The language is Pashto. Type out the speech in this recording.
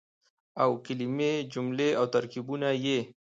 او کلمې ،جملې او ترکيبونه يې